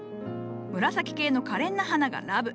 紫系のかれんな花がＬｏｖｅ。